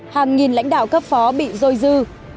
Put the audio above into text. hàng nghìn lãnh đạo cấp phó bị rôi dư